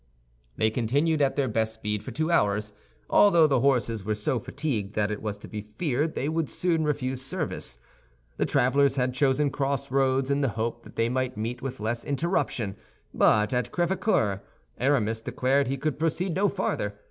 They continued at their best speed for two hours, although the horses were so fatigued that it was to be feared they would soon refuse service. The travelers had chosen crossroads in the hope that they might meet with less interruption; but at Crèvecœur, Aramis declared he could proceed no farther.